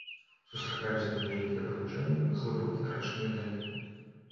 Сустракаюцца невялікія паніжэнні, глыбокія рачныя даліны.